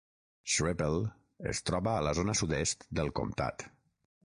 Schroeppel es troba a la zona sud-est del comtat.